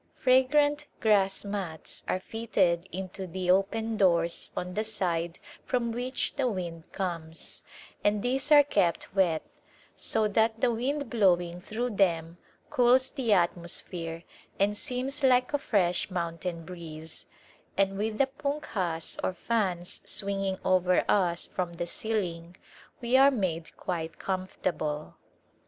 Fragrant grass mats are fitted into the open doors on the side from which the wind comes, and these are kept wet, so that the wind blowing through them cools the atmosphere and seems like a fresh mountain breeze, and with the punkhas or fans swinging over us from the ceiling we are made quite comfortable.